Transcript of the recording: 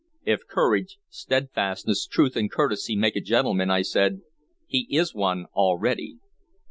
"If courage, steadfastness, truth, and courtesy make a gentleman," I said, "he is one already.